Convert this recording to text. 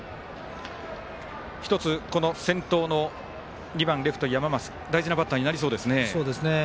先頭の２番、レフト、山増大事なバッターになりそうですね。